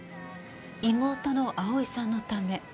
妹の蒼さんのため。